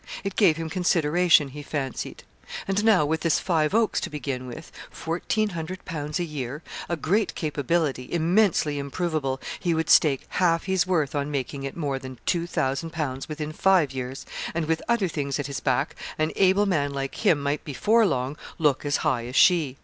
It gave him consideration, he fancied. And now with this Five Oaks to begin with £1,400 a year a great capability, immensely improvable, he would stake half he's worth on making it more than £2,000 within five years; and with other things at his back, an able man like him might before long look as high as she.